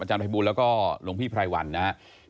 อาจารย์ไพบูลแล้วก็หลวงพี่พรายวัลนะครับ